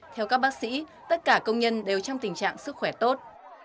theo các bác sĩ tất cả công nhân đều trong tình trạng sức khỏe tốt